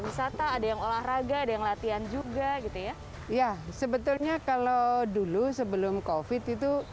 wisata ada yang olahraga dan latihan juga gitu ya iya sebetulnya kalau dulu sebelum kofit itu